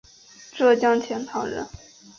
浙江钱塘人。